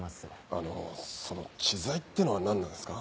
あのその「チザイ」ってのは何なんですか？